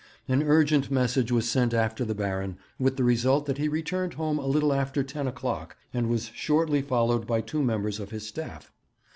An urgent message was sent after the Baron, with the result that he returned home a little after ten o'clock, and was shortly followed by two members of his staff.